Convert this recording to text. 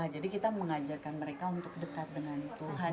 jadi kita mengajarkan mereka untuk dekat dengan tuhan